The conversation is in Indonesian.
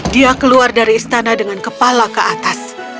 dia keluar dari istana dengan kepala ke atas